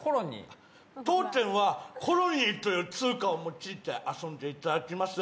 当店はコロニーという通貨を用いて遊んでいただきます。